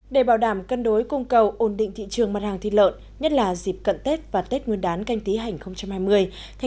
để bảo đảm cân đối cung cầu ổn định thị trường mặt hàng thịt lợn nhất là dịp cận tết và tết nguyên đán canh tí hành hai mươi